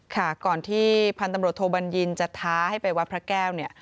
ค่ะก่อนที่พันธุ์ตำรวจโทบัญญินจะท้าให้ไปวัดพระแก้วเนี่ย